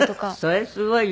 それすごい。